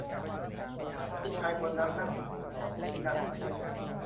มีชายคนนั้นนั่งหรือนอนที่นั่นไหม ?